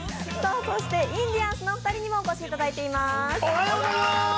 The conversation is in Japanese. そしてインディアンスのお二人にもお越しいただいています。